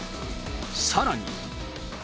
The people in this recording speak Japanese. さらに。